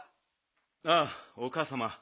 ああおかあさま